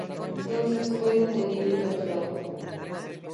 Entonces, fue detenido y torturado.